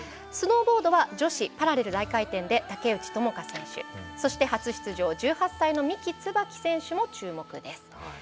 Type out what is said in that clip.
スノーボードは女子パラレル大回転で竹内智香選手そして初出場、１３歳三木つばき選手も注目です。